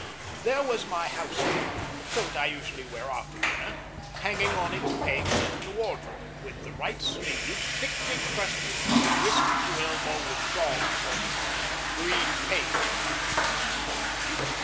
There was my house jacket, the coat I usually wear after dinner, hanging on its peg by the wardrobe, with the right sleeve thickly crusted from wrist to elbow with daubs of green paint.